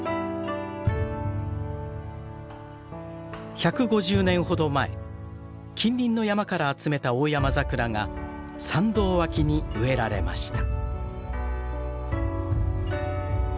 １５０年ほど前近隣の山から集めたオオヤマザクラが参道脇に植えられました。